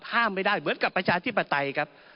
ห้ามไม่ได้เหมือนกับประชาธิปไตยครับ